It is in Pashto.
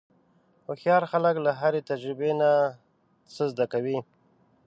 هوښیار خلک له هرې تجربې نه څه زده کوي.